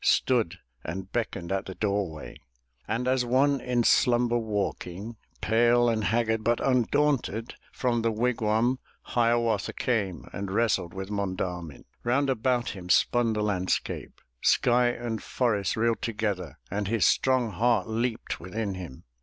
Stood and beckoned at the doorway. And as one in slumber walking. Pale and haggard, but undaunted, From the wigwam Hiawatha Came and wrestled with Monda'min. Round about him spun the landscape, Sky and forest reeled together. And his strong heart leaped within him.